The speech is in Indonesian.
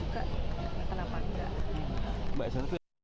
karena sabar dan ikhlas